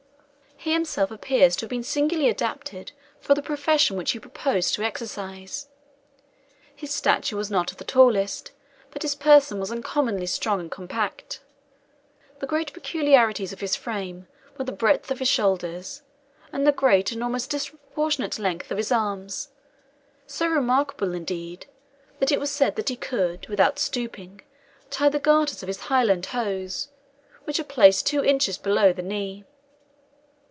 He himself appears to have been singularly adapted for the profession which he proposed to exercise. His stature was not of the tallest, but his person was uncommonly strong and compact. The greatest peculiarities of his frame were the breadth of his shoulders, and the great and almost disproportionate length of his arms; so remarkable, indeed, that it was said he could, without stooping, tie the garters of his Highland hose, which are placed two inches below the knee.